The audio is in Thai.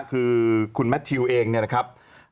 คือคุณแมททิวเองเนี่ยนะครับ